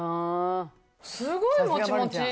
すごいもちもち。